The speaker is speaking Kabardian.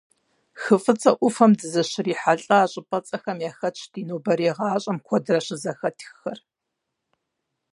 Хы ФӀыцӀэ Ӏуфэм дызыщрихьэлӀэ щӀыпӀэцӀэхэм яхэтщ ди нобэрей гъащӀэм куэдрэ щызэхэтххэр.